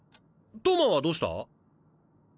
投馬はどうした？